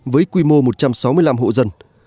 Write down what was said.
với quy mô một trăm sáu mươi năm hộ dân